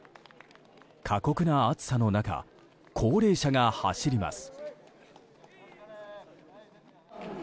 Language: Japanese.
過酷な暑さの中高齢者が走ります。